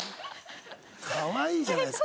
かわいいじゃないですか。